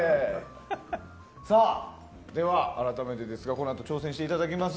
では、改めてこのあと挑戦していただきます。